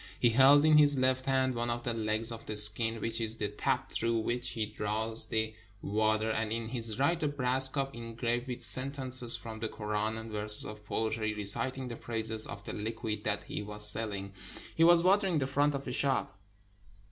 He held in his left hand one of the legs of the skin, which is the tap through which he draws the water, and in his right, a brass cup engraved with sentences from the Koran and verses of poetry, reciting the praises of the liquid that he was selling. He was watering the front of a shop.